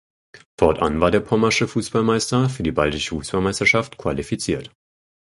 Fortan war der pommersche Fußballmeister für die Baltische Fußballmeisterschaft qualifiziert.